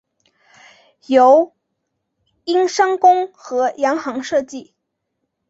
由英商公和洋行设计。